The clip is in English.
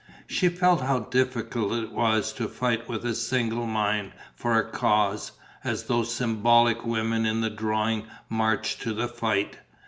She felt how difficult it was to fight with a single mind for a cause, as those symbolic women in the drawing marched to the fight.